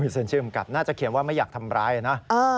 เซ็นชื่อกับน่าจะเขียนว่าไม่อยากทำร้ายนะ